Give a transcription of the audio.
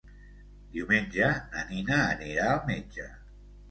Diumenge na Nina anirà al metge.